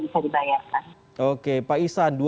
bisa dibayarkan oke pak islan